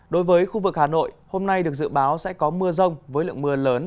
đối với khu vực hà nội hôm nay được dự báo sẽ có mưa rông với lượng mưa lớn